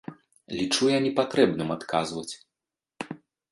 Лічу я непатрэбным адказваць!